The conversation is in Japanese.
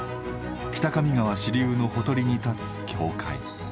北上川支流のほとりにたつ教会。